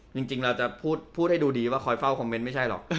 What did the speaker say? จริงเราจะพูดให้ดูดีว่าคอยเฝ้าคอมเมนต์ไม่ใช่หรอก